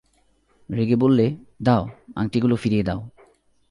রেগে বললে, দাও, আংটিগুলো ফিরিয়ে দাও।